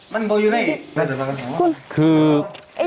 มันก็อยู่ใน